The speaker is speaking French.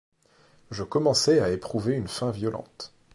Je commençais à éprouver une faim violente.